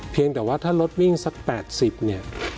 เพียงแต่ว่าถ้ารถวิ่งสัก๘๐เนี่ย